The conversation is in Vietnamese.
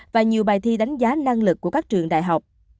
và nhiều bài thi đánh giá năng lực của các trường đại học